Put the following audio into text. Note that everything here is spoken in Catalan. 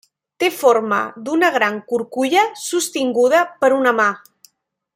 Té forma d'una gran curculla sostinguda per una mà.